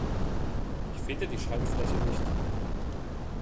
Ich finde die Schaltfläche nicht.